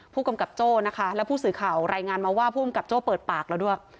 ผู้กำกับโจ้นะคะแล้วผู้สื่อข่าวรายงานมาว่าภูมิกับโจ้เปิดปากแล้วด้วย